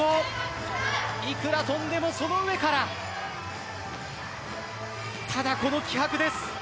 幾ら跳んでもその上からただ、この気迫です。